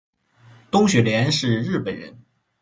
东雪莲是日本人